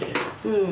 うん。